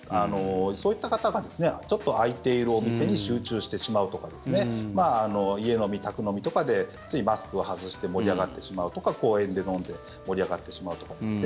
そういった方がちょっと開いているお店に集中してしまうですとか家飲み、宅飲みとかでついマスクを外して盛り上がってしまうとか公園で飲んで盛り上がってしまうとかですね。